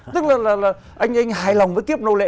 tức là là anh anh hài lòng với kiếp nâu lệ